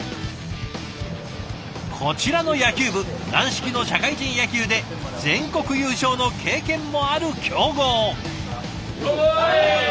こちらの野球部軟式の社会人野球で全国優勝の経験もある強豪。